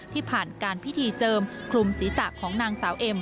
ที่ผ่านการพิธีเจิมคลุมศีรษะของนางสาวเอ็ม